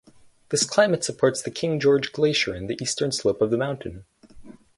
This climate supports the King George Glacier on the eastern slope of the mountain.